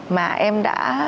mà em đã